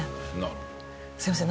すみません。